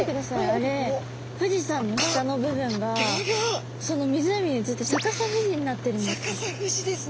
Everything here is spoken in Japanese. あれ富士山の下の部分が湖に映って逆さ富士になってるんです。